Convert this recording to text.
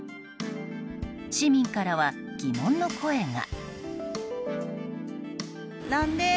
市民からは疑問の声が。